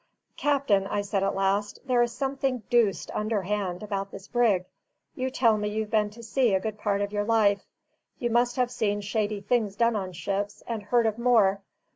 "Captain," I said at last, "there is something deuced underhand about this brig. You tell me you've been to sea a good part of your life. You must have seen shady things done on ships, and heard of more.